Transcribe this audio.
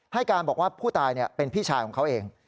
ให้การบอกว่าผู้ตายเป็นพี่ชายของเขาเอง